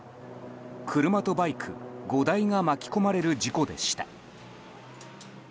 車とバイク５台が巻き込まれる事故でした。